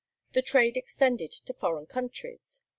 The trade extended to foreign countries.